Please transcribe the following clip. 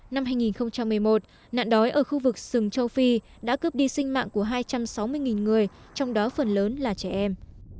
năm hai nghìn một mươi một nạn đói ở khu vực sừng châu phi đã cướp đi sinh mạng của hai trăm sáu mươi người trong đó phần lớn là trẻ em